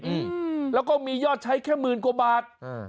อืมแล้วก็มียอดใช้แค่หมื่นกว่าบาทเออ